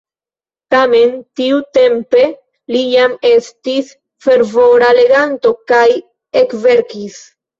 Tamen tiutempe li jam estis fervora leganto kaj ekverkis.